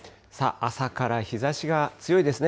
朝から日ざしが強いですね。